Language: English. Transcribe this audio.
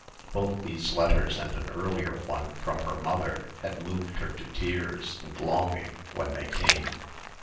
Both these letters and an earlier one from her mother had moved her to tears and longing when they came.